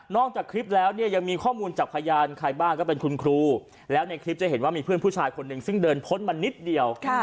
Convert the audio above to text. จากคลิปแล้วเนี่ยยังมีข้อมูลจากพยานใครบ้างก็เป็นคุณครูแล้วในคลิปจะเห็นว่ามีเพื่อนผู้ชายคนหนึ่งซึ่งเดินพ้นมานิดเดียว